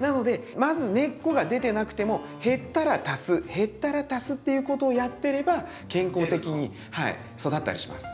なのでまず根っこが出てなくても減ったら足す減ったら足すっていうことをやってれば健康的に育ったりします。